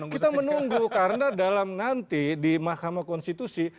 kita menunggu karena dalam nanti di mahkamah konstitusi